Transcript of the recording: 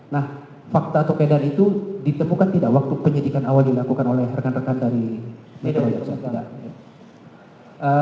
nah fakta atau peredar itu ditemukan tidak waktu penyidikan awal dilakukan oleh rekan rekan dari metro jaya